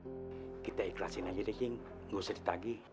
cing kita ikhlasin aja deh cing gausah ditagi